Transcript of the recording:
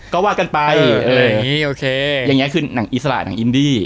ก็ว่ากันไปอย่างนี้คือหนังอิสระหนังอินดี